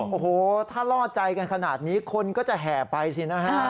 โอ้โหถ้าล่อใจกันขนาดนี้คนก็จะแห่ไปสินะฮะ